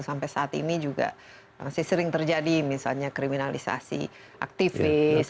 sampai saat ini juga masih sering terjadi misalnya kriminalisasi aktivis